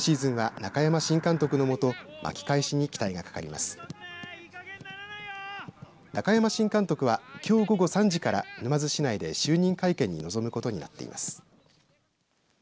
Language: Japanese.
中山新監督はきょう午後３時から沼津市内で就任会見に臨むことになっています。